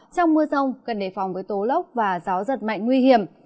trong mưa rông cần đề phòng với tố lốc và gió giật mạnh nguy hiểm